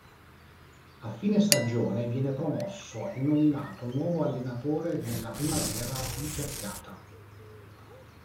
A fine stagione viene "promosso" e nominato nuovo allenatore della Primavera blucerchiata.